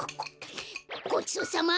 ごちそうさま！